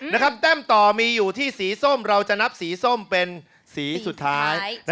นะครับแต้มต่อมีอยู่ที่สีส้มเราจะนับสีส้มเป็นสีสุดท้ายสีสุดท้าย